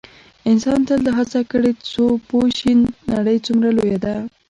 انسان تل دا هڅه کړې څو پوه شي نړۍ څومره لویه ده.